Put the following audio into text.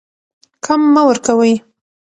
کم مه ورکوئ.